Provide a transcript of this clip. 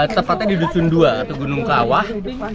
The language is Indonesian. tempatnya di dusun dua atau gunung kelawah